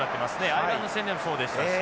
アイルランド戦でもそうでしたし。